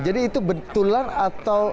jadi itu betulan atau